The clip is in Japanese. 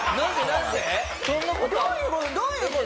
どういう事？